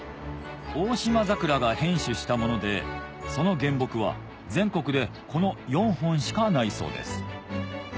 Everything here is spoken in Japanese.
大島桜が変種したものでその原木は全国でこの４本しかないそうです